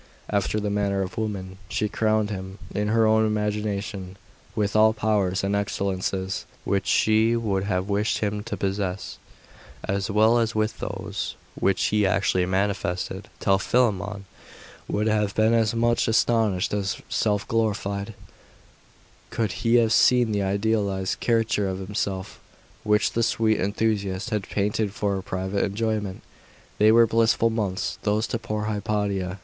After the manner of women, she crowned him, in her own imagination, with all powers and excellences which she would have wished him to possess, as well as with those which he actually manifested, till Philammon would have been as much astonished as self glorified could he have seen the idealised caricature of himself which the sweet enthusiast had painted for her private enjoyment. They were blissful months those to poor Hypatia.